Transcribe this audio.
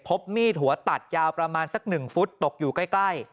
พบมีดหัวตัดยาวประมาณสัก๑ฟุตตกอยู่ใกล้